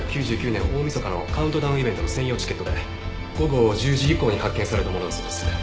１９９９年大みそかのカウントダウンイベントの専用チケットで午後１０時以降に発券されたものだそうです。